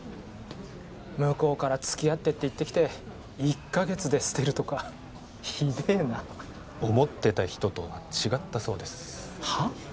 向こうからつきあってって言ってきて１カ月で捨てるとかひでえな思ってた人とは違ったそうですはっ？